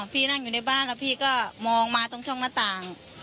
พี่นั่งอยู่ในบ้านแล้วพี่ก็มองมาตรงช่องหน้าต่าง